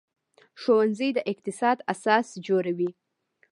ښوونځی د اقتصاد اساس جوړوي